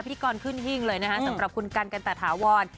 พิธีกรขึ้นหิ้งเลยนะฮะสำหรับคุณกันกันตะถาวร